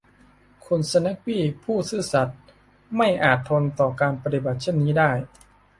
คุณสแนกส์บี้ผู้ซื่อสัตย์ไม่อาจทนต่อการปฏิบัติเช่นนี้ได้